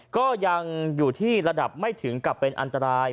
ก็ยังอยู่ที่ระดับไม่ถึงกับเป็นอันตราย